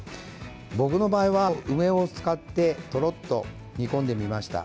僕の場合は、梅を使ってトロッと煮込んでみました。